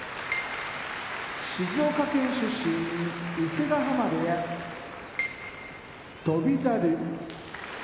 静岡県出身伊勢ヶ濱部屋翔猿